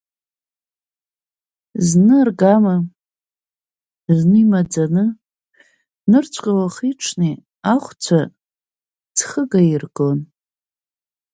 Зны аргама, зны имаӡаны нырцәҟа уахи-ҽни ахәцәа ӡхыга иргон.